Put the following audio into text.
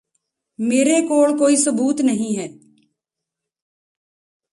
ਮੇਰੇ ਕੋਲ਼ ਕੋਈ ਸਬੂਤ ਨਹੀਂ ਹੈ